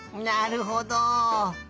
なるほど。